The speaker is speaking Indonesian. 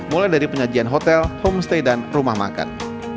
mulai dari penyajian hotel homestay dan rumah makan